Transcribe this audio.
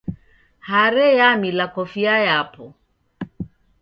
Hare yamila kofia yapo.